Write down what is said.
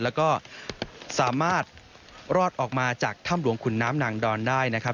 แล้วก็สามารถรอดออกมาจากถ้ำหลวงขุนน้ำนางดอนได้นะครับ